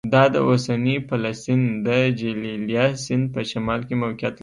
دا د اوسني فلسطین د جلیلیه سیند په شمال کې موقعیت لري